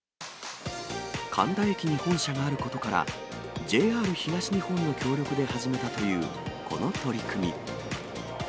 神田駅に本社があることから、ＪＲ東日本の協力で始めたというこの取り組み。